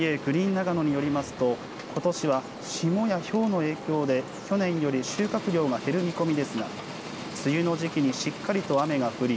長野によりますとことしは霜やひょうの影響で去年より収穫量が減る見込みですが梅雨の時期にしっかりと雨が降り